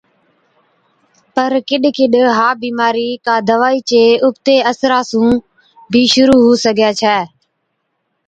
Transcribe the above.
پَر ڪِڏ ڪِڏ ها بِيمارِي ڪا دَوائِي چي اُبتي اثرا سُون بِي شرُوع هُو سِگھَي ڇَي۔